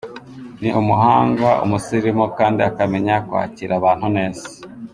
Ni umuhanga, umusirimu kandi akamenya kwakira abantu neza.